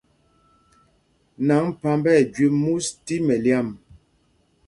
Nǎŋgphǎmb ɛ jüé mūs tí mɛlyǎm.